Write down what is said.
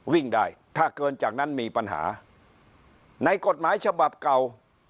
วิ่งได้ถ้าเกินจากนั้นมีปัญหาในกฎหมายฉบับเก่า